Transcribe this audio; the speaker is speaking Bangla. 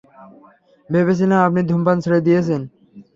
ভেবেছিলাম, আপনি ধূমপান ছেড়ে দিয়েছেন।